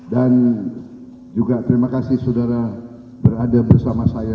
dan juga terima kasih saudara berada bersama saya